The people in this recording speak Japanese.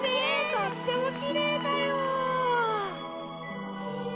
とってもきれいだよ。